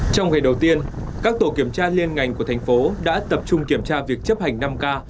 trong ngày đầu tiên các tổ kiểm tra liên ngành của thành phố đã tập trung kiểm tra việc chấp hành năm k